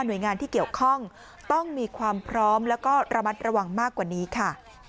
โดยงานที่เกี่ยวข้องต้องมีความพร้อมแล้วก็ระมัดระวังมากกว่านี้ค่ะ